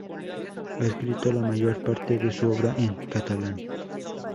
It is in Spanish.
Ha escrito la mayor parte de su obra en catalán.